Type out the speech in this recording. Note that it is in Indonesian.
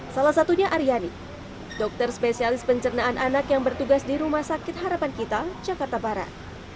salah satunya aryani dokter spesialis pencernaan anak yang bertugas di rumah sakit harapan kita jakarta barat